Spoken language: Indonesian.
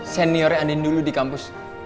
seniornya andin dulu di kampus